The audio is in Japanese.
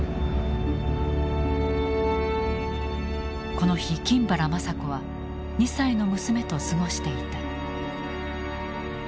この日金原まさ子は２歳の娘と過ごしていた。